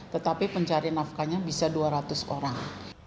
tetapi pencari nafkahnya bisa dua ratus orang